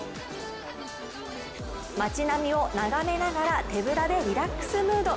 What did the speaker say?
町並みを眺めながら、手ぶらでリラックスムード。